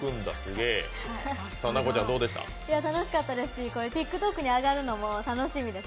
楽しかったですし、ＴｉｋＴｏｋに上がるのも楽しみです。